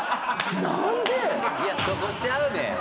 何で。